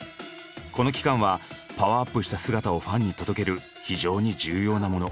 この期間はパワーアップした姿をファンに届ける非常に重要なもの。